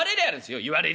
言われりゃあね。